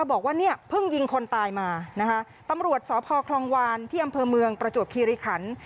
บอกว่าเนี่ยเพิ่งยิงคนตายมานะคะตำรวจสพคลองวานที่อำเภอเมืองประจวบคีริขัน